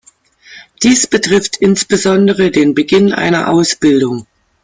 Dies betrifft insbesondere den Beginn einer Ausbildung.